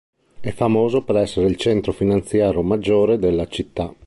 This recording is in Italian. È famoso per essere il centro finanziario maggiore della città.